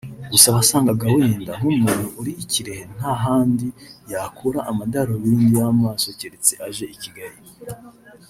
Gusa wasangaga wenda nk’umuntu uri i Kirehe nta handi yakura amadarubindi y’amaso keretse aje I Kigali